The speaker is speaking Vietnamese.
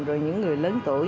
rồi những người lớn